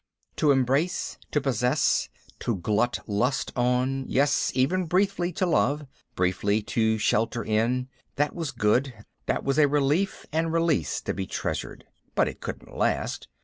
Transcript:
To embrace, to possess, to glut lust on, yes even briefly to love, briefly to shelter in that was good, that was a relief and release to be treasured. But it couldn't last.